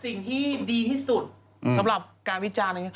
สิ่งที่ดีที่สุดสำหรับการวิจารณ์